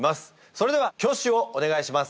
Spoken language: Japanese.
それでは挙手をお願いします。